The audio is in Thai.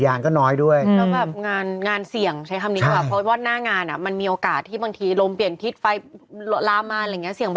แล้วแบบงานเงินเสี่ยงใช้ความนี้ดีกว่าเพราะว่าหน้างานมันมีโอกาสที่บางทีลมเปลี่ยนทิศไฟลามมาอะไรเงี้ย